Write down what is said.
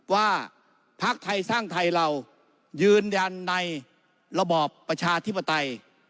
ว่าพักไทยสร้างไทยเรายืนยันในระบอบประชาธิปไตย